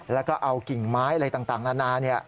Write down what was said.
แล้วก็เอากิ่งไม้อะไรต่างนานา